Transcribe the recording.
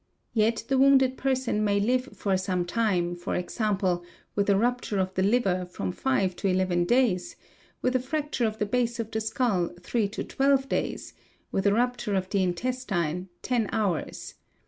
Yet the wounded person may live for some time, for xample, with a rupture of the liver from five to eleven days—with a Tracture of the base of the skull, three to twelve days—with a rupture of the intestine, ten hours.